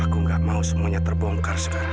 aku gak mau semuanya terbongkar sekarang